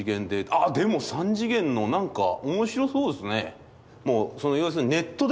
あっでも三次元の何か面白そうですね。